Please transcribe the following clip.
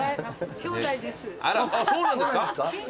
そうなんですか？